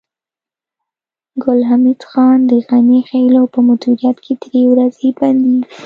ګل حمید خان د غني خېلو په مدیریت کې درې ورځې بندي و